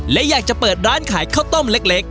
และอยากจะเปิดร้านขายข้าวต้มเล็ก